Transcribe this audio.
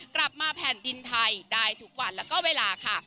กลับมาแผ่นดินไทยได้ทุกวันแล้วก็เวลาค่ะ